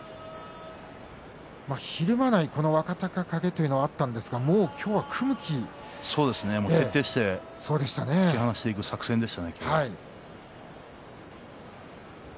ひるまない若隆景というのもあったんですが徹底して突き放していく作戦でしたね。